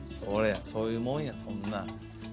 そういうもんやそんなん。